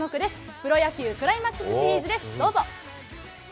プロ野球クライマックスシリーズです。